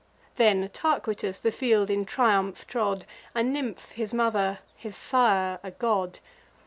Then Tarquitus the field in triumph trod; A nymph his mother, his sire a god.